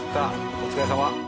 お疲れさま。